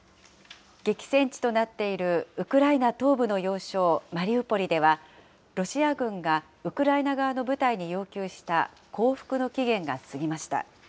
激戦地となっているウクライナ東部の要衝マリウポリでは、ロシア軍が、ウクライナ側の部隊に要求した降伏の期限が過ぎました。